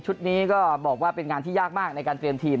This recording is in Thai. ชุดนี้ก็แบบเป็นการที่ยากมากในการเตรียมทีม